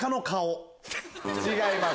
違います。